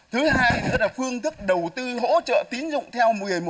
thứ hai đó là phương thức đầu tư hỗ trợ tín dụng theo một mươi một năm